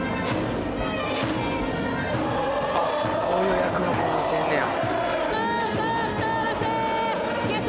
あっこういう役の子もいてんねや。